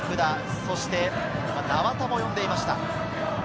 そして名和田も呼んでいました。